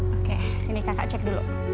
oke sini kakak cek dulu